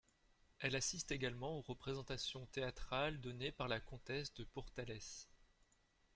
Elle assiste également aux représentations théâtrales données par la comtesse de Pourtalès.